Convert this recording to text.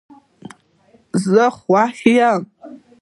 زه خوښ یم